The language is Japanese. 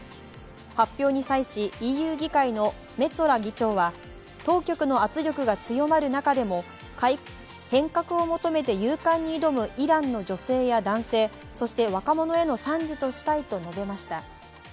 発表に際し、ＥＵ議会のメツォラ議長は当局の圧力が強まる中でも、変革を求めて勇敢に挑むイランの女性や男性、そして若者への賛辞としたいと述べました。